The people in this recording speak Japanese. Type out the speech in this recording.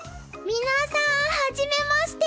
皆さん初めまして。